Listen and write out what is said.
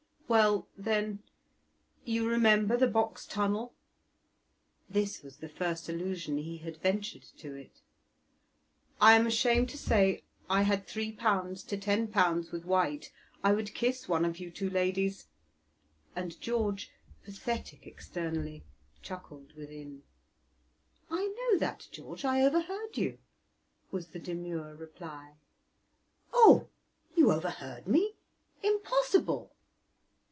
"Well then, you remember the Box Tunnel?" (This was the first allusion he had ventured to it.) "I am ashamed to say I had three pounds to ten pounds with White I would kiss one of you two ladies," and George, pathetic externally, chuckled within. "I know that, George; I overheard you," was the demure reply. "Oh! you overheard me! Impossible."